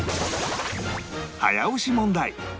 早押し問題！